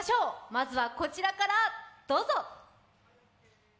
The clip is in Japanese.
まずはこちらから、どうぞ！